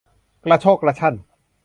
กระโชกกระชั้น